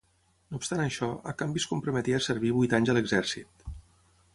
No obstant això, a canvi es comprometia a servir vuit anys a l'exèrcit.